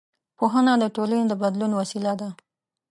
پوهنه د ټولنې د بدلون وسیله ده